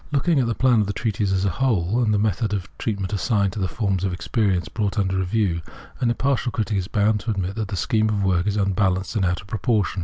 Looking at the plan of the treatise as a whole and the method of treatment assigned to the forms of experience brought under review, an impartial critic is bound to admit that the scheme of the work is un balanced and out of proportion.